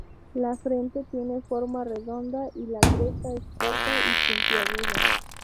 La frente tiene forma redonda, y la cresta es corta y puntiaguda.